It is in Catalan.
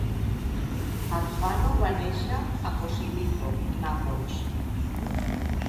Alfano va néixer a Posillipo, Nàpols.